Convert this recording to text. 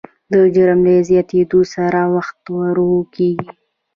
د جرم له زیاتېدو سره وخت ورو کېږي.